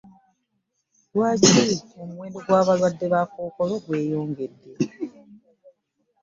Lwaki omuwendo gw'abalwadde ba kkookolo gweyongede?